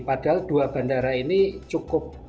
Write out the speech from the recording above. padahal dua bandara ini cukup